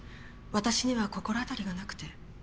私には心当たりがなくて。